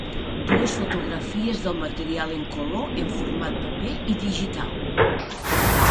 Dues fotografies del material en color, en format paper i digital.